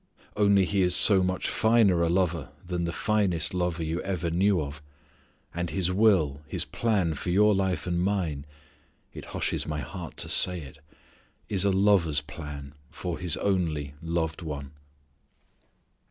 Only He is so much finer a lover than the finest lover you ever knew of. And His will, His plan for your life and mine it hushes my heart to say it is a lover's plan for his only loved one.